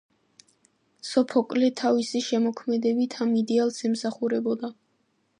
სოფოკლე თავისი შემოქმედებით ამ იდეალს ემსახურებოდა.